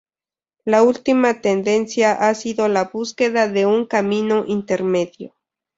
La última tendencia ha sido la búsqueda de un camino intermedio.